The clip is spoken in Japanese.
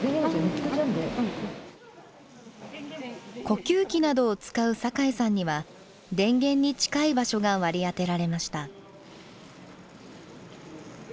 呼吸器などを使う酒井さんには電源に近い場所が割り当てられました。